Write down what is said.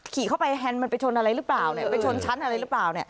ขี่เข้าไปแฮนด์มันไปชนชั้นอะไรหรือเปล่า